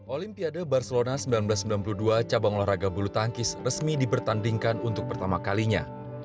olimpiade barcelona seribu sembilan ratus sembilan puluh dua cabang olahraga bulu tangkis resmi dipertandingkan untuk pertama kalinya